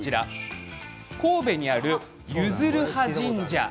神戸にある弓弦羽神社。